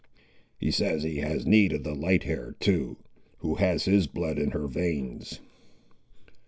"He says he has need of the light hair, too; who has his blood in her veins."